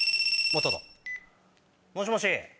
あもしもし！